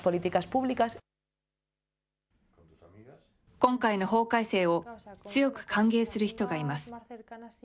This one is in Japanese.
今回の法改正を強く歓迎する人がいます。